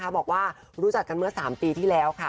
บอกว่ารู้จักกันเมื่อ๓ปีที่แล้วค่ะ